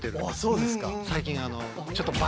そうですか。